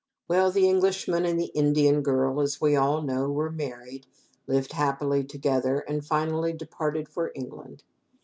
Well, the Englishman and the Indian girl, as we all know, were married, lived happily together, and finally departed for England.